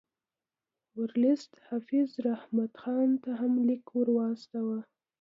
ورلسټ حافظ رحمت خان ته هم لیک واستاوه.